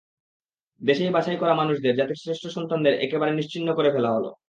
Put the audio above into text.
দেশের বাছাই করা মানুষদের, জাতির শ্রেষ্ঠ সন্তানদের একেবারে নিশ্চিহ্ন করে ফেলা হলো।